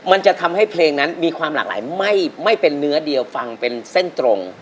มันจะทำให้เพลงนั้นมีความหลากหลายไม่เป็นเนื้อเดียวฟังเป็นเส้นตรง